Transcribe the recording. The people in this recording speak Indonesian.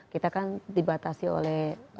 kita kan dibatasi oleh